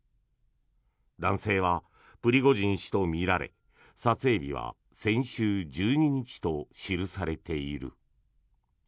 男性は、プリゴジン氏とみられ撮影日は先週１２日と記されている。